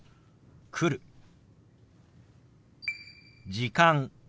「時間」。